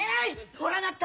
ほらなった。